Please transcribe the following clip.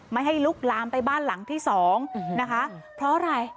ไม่ให้ลุกลามไปบ้านหลังที่สองนะคะเพราะอะไร